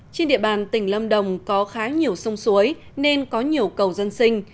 trên địa bàn tỉnh lâm đồng có khá nhiều sông suối nên có nhiều cầu dân sinh